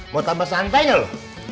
mau tambah santai gak lo